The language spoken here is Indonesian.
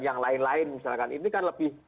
yang lain lain misalkan ini kan lebih